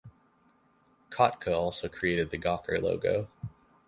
Kottke also created the Gawker logo.